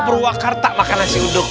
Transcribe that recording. ke purwakarta makan nasi unduk